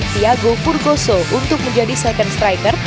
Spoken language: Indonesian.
thiago furkoso untuk menjadi second striker